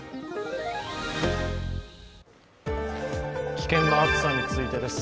危険な暑さについてです。